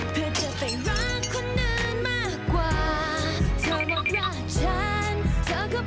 ถ้าจะมองงานทำไมพักกันสักพาง